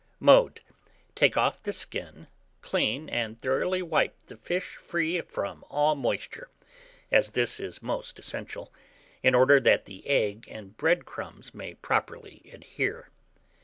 Mode. Take off the skin, clean, and thoroughly wipe the fish free from all moisture, as this is most essential, in order that the egg and bread crumbs may properly adhere.